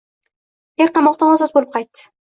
Er qamoqdan ozod boʻlib qaytdi.